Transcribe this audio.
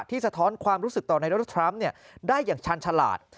สะท้อนความรู้สึกต่อนายโดนัลดทรัมป์ได้อย่างชาญฉลาด